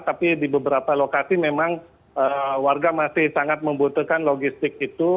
tapi di beberapa lokasi memang warga masih sangat membutuhkan logistik itu